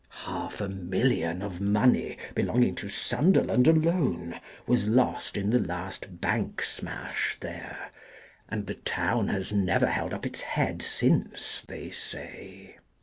Half a million of money, belonging to Sunderland alone, was lost in the last Bank Smash there ; and the town has never held up its head since, they say.